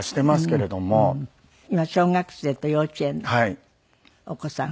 今小学生と幼稚園のお子さん。